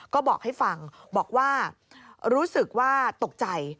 ก็บอกให้ฟังบอกว่ารู้สึกว่าตกใจ